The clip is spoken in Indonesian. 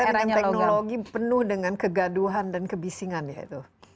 tapi dengan teknologi penuh dengan kegaduhan dan kebisingan ya itu